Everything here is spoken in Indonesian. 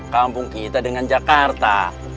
kampung kita dengan jakarta